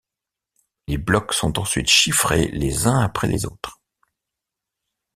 Les blocs sont ensuite chiffrés les uns après les autres.